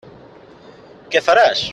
Què faràs?